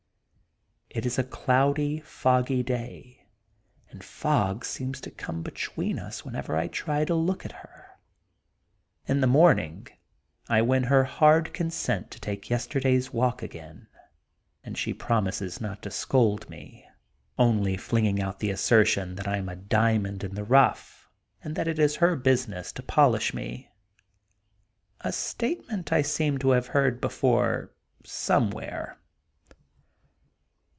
It is a cloudy, foggy day, and fog seems to come between us whenever I try to look at her. In the morning I win her hard consent to take yesterday's walk again, and she promises not to scold me, only flinging out the assertion that I am a diamond in the rough and that it is her business to polish me :— a statement I seem to have heard before somewhere.